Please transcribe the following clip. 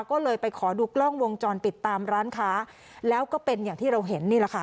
ก็เลยไปขอดูกล้องวงจรปิดตามร้านค้าแล้วก็เป็นอย่างที่เราเห็นนี่แหละค่ะ